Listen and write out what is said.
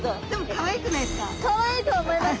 かわいいとは思います。